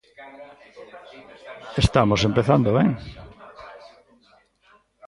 Estamos empezando ben.